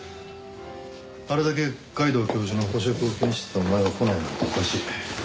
あれだけ皆藤教授の保釈を気にしてたお前が来ないなんておかしい。